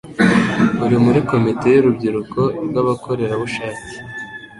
uri muri Komite y'Urubyiruko rw'Abakorerabushake